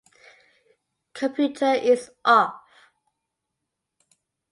Computer is off.